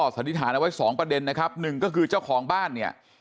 สถิษฐานไว้๒ประเด็นนะครับ๑ก็คือเจ้าของบ้านเนี่ย